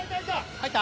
入った！